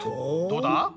どうだ？